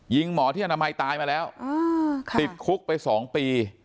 หมอที่อนามัยตายมาแล้วติดคุกไป๒ปี